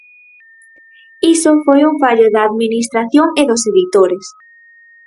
Iso foi un fallo da administración e dos editores.